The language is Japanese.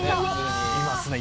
「いますね」